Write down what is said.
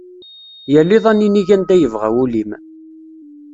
Yal iḍ ad ninig anda yebɣa wul-im.